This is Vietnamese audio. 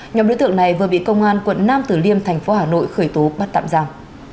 nhóm đối tượng này vừa bị công an quận nam tử liêm thành phố hà nội khởi tố bắt tạm giam